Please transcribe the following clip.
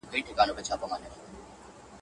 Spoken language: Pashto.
په دربار کي یې څو غټ سړي ساتلي.